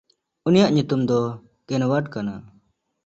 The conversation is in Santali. ᱩᱱᱤᱭᱟᱜ ᱧᱩᱛᱩᱢ ᱫᱚ ᱠᱮᱱᱣᱟᱨᱰ ᱠᱟᱱᱟ᱾